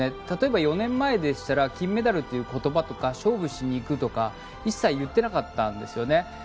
例えば４年前でしたら金メダルという言葉とか勝負しに行くとか一切言ってなかったんですよね。